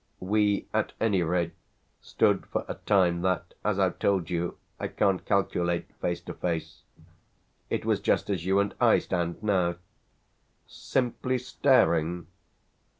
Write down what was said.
We, at any rate, stood for a time that, as I've told you, I can't calculate, face to face. It was just as you and I stand now." "Simply staring?"